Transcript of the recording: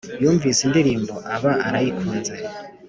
yumvise indirimbo aba arayikunze